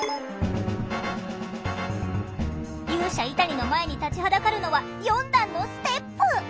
勇者イタニの前に立ちはだかるのは４段のステップ！